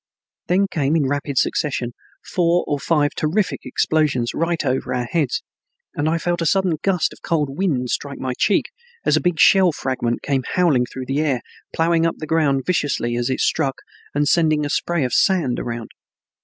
Then came in rapid succession four or five terrific explosions right over our heads, and I felt a sudden gust of cold wind strike my cheek as a big shell fragment came howling through the air, ploughing the ground viciously as it struck and sending a spray of sand around.